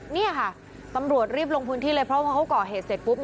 นี่ค่ะตำรวจรีบลงพื้นที่เลยเพราะพอเขาก่อเหตุเสร็จปุ๊บ